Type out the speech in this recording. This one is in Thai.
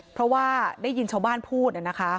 เพราะว่าได้ยินชาวบ้านพูดนะคะ